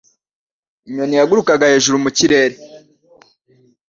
Inyoni yagurukaga hejuru mu kirere.